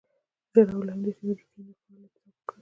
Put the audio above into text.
ژر او له همدې شیبې د ډوډۍ نه خوړلو اعتصاب وکړئ.